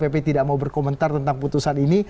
pp tidak mau berkomentar tentang putusan ini